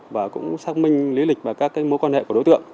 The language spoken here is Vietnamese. và cũng xác minh lý lịch và các mối quan hệ của đối tượng